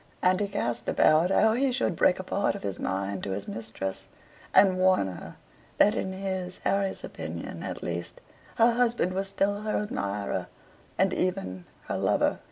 And he cast about how he should break a part of his mind to his mistress, and warn her that in his, Harry's opinion, at least, her husband was still her admirer, and even her lover.